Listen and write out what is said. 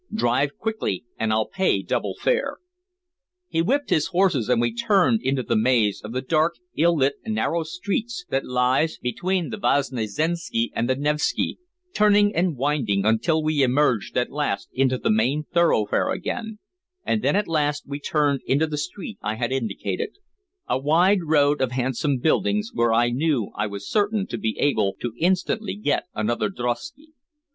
Drive quickly, and I'll pay double fare." He whipped his horses, and we turned into that maze of dark, ill lit, narrow streets that lies between the Vosnesenski and the Nevski, turning and winding until we emerged at last into the main thoroughfare again, and then at last we turned into the street I had indicated a wide road of handsome buildings where I knew I was certain to be able to instantly get another drosky.